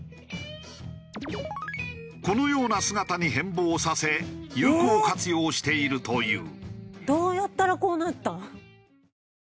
このような姿に変貌させ有効活用しているという。